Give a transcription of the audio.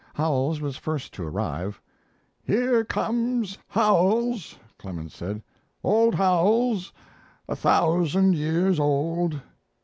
Howells was first to arrive. "Here comes Howells," Clemens said. "Old Howells a thousand years old."